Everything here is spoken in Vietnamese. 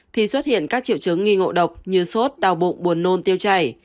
thì xuất hiện các triệu chứng nghi ngộ độc như sốt đau bụng buồn nôn tiêu chảy